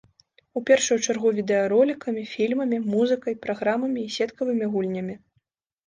У першую чаргу відэаролікамі, фільмамі, музыкай, праграмамі і сеткавымі гульнямі.